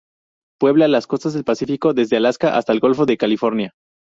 Puebla las costas del Pacífico desde Alaska hasta el Golfo de California.